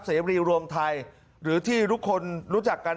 เสรีรวมไทยหรือที่ทุกคนรู้จักกัน